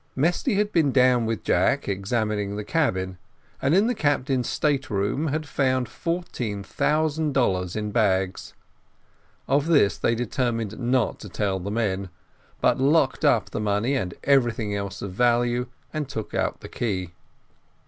Mesty had been down with Jack, examining the cabin, and in the captain's state room they had found fourteen thousand dollars in bags: of this they determined not to tell the men, but locked up the money and every thing else of value, and took out the key.